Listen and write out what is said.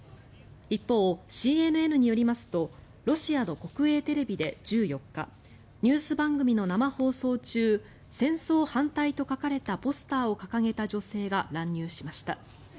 一方、ＣＮＮによりますとロシアの国営テレビで１４日ニュース番組の生放送中戦争反対と書かれたポスターを掲げた女性が乱入しました。